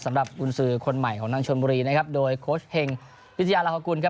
กุญสือคนใหม่ของนางชนบุรีนะครับโดยโค้ชเฮงวิทยาลาฮกุลครับ